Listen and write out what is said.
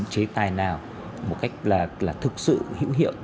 chế tài nào một cách là thực sự hữu hiệu